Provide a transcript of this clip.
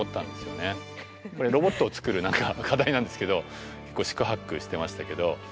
これロボットを作る課題なんですけど結構四苦八苦してましたけど。